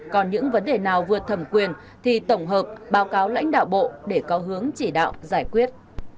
còn những vấn đề nào vượt thẩm quyền thì tổng hợp báo cáo lãnh đạo bộ để có hướng chỉ đạo giải quyết